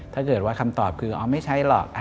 ถ้าเกิดว่าคำตอบคือเอาไม่ใช้หรอก